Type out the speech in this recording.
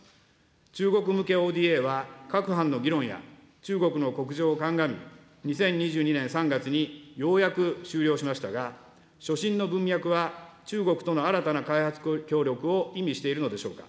中国向けＯＤＡは、各般の議論や、中国の国情を鑑み、２０２２年３月にようやく終了しましたが、所信の文脈は、中国との新たな開発協力を意味しているのでしょうか。